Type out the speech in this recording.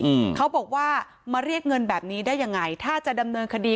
อืมเขาบอกว่ามาเรียกเงินแบบนี้ได้ยังไงถ้าจะดำเนินคดี